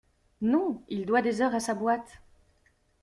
Non, il doit des heures à sa boîte.